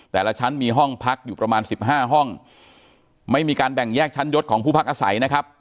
แต่ละชั้นมีห้องพักอยู่ประมาณสิบห้าห้องไม่มีการแบ่งแยกชั้นยศของผู้พักอาศัยนะครับ